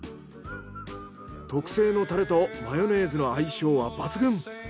特製のタレとマヨネーズの相性は抜群。